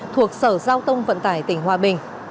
thuộc sở giao tông vận tải tp hcm